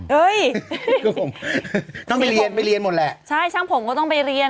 เฮ้ยก็ผมต้องไปเรียนไปเรียนหมดแหละใช่ช่างผมก็ต้องไปเรียน